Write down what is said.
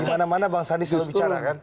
di mana mana bang sandi sudah bicara kan